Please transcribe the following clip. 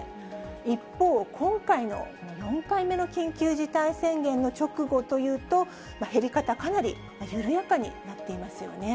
一方、今回の４回目の緊急事態宣言の直後というと、減り方、かなり緩やかになっていますよね。